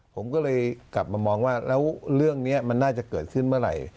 ผมก็เลยกลับมามองว่าแล้วเรื่องนี้มันน่าจะเกิดขึ้นเมื่อไหร่